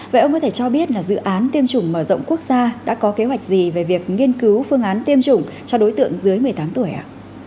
vậy ông có thể cho biết là dự án tiêm chủng mở rộng quốc gia đã có kế hoạch gì về việc nghiên cứu phương án tiêm chủng cho đối tượng dưới một mươi tám tuổi ạ